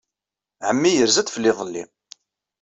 Ɛemmi yerza-d fell-i iḍelli.